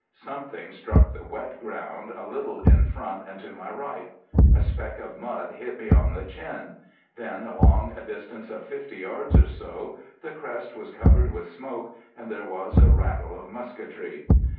Something struck the wet ground a little in front and to my right. A speck of mud hit me on the chin; then, along a distance of 50 yards or so, the crest was covered with smoke, and there was a rattle of musketry.